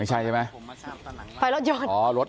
ตกใจหมดเลย